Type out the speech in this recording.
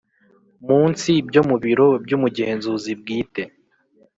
munsi byo mu biro by Umugenzuzi Bwite